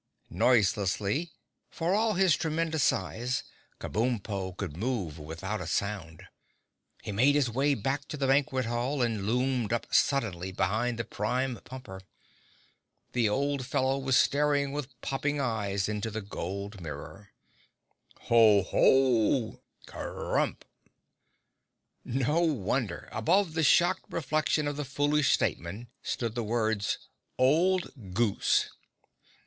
Noiselessly (for all his tremendous size, Kabumpo could move without a sound) he made his way back to the banquet hall and loomed up suddenly behind the Prime Pumper. The old fellow was staring with popping eyes into the gold mirror. "Ho, Ho!" roared Kabumpo. "Ho, Ho! Kerumph!" No wonder! Above the shocked reflection of the foolish statesman stood the words "Old Goose!"